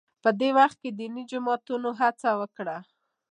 په دې وخت کې دیني جماعتونو هڅه وکړه